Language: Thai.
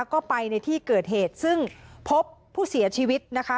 ก็ไปในที่เกิดเหตุซึ่งพบผู้เสียชีวิตนะคะ